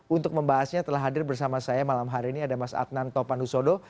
untuk membahasnya telah hadir bersama saya malam hari ini ada mas adnan topanusodo